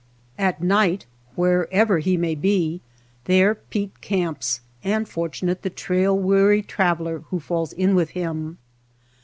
At night, wherever he may be, there Pete camps, and fortunate the trail weary trav eler who falls in with him.